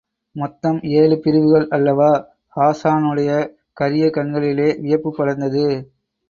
மொத்தம் ஏழு பிரிவுகள் அல்லவா? ஹாஸானுடைய கரிய கண்களிலே வியப்புப் படர்ந்தது.